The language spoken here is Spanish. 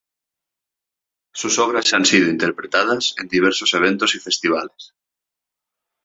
Sus obras han sido interpretadas en diversos eventos y festivales.